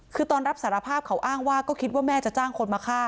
คือตอนรับสารภาพเขาอ้างว่าก็คิดว่าแม่จะจ้างคนมาฆ่า